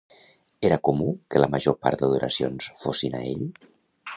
Era comú que la major part d'adoracions fossin a ell?